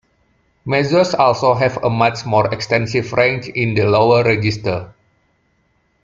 Mezzos also have a much more extensive range in the lower register.